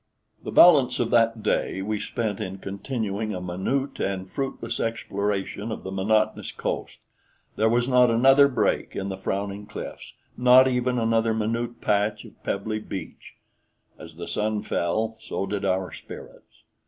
The balance of that day we spent in continuing a minute and fruitless exploration of the monotonous coast. There was not another break in the frowning cliffs not even another minute patch of pebbly beach. As the sun fell, so did our spirits.